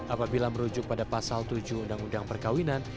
apabila merujuk pada pasal tujuh undang undang perkawinan